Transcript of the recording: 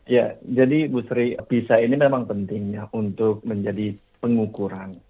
ya jadi bu sri pisa ini memang pentingnya untuk menjadi pengukuran